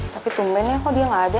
tapi tumannya kok dia gak ada